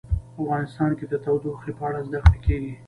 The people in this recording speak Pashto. افغانستان کې د تودوخه په اړه زده کړه کېږي.